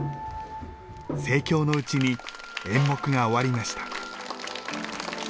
盛況のうちに演目が終わりました。